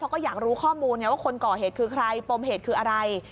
เขาก็อยากรู้ข้อมูลไงว่าคนก่อเหตุคือใครปมเหตุคืออะไร